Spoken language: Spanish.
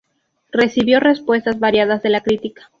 Recibió respuestas variadas de la crítica.